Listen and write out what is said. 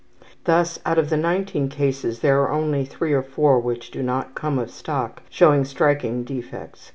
...... .2 Thus, out of the 19 cases there are only three or four which do not come of stock showing striking defects.